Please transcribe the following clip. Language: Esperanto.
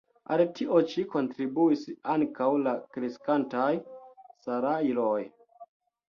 Al tio ĉi kontribuis ankaŭ la kreskantaj salajroj.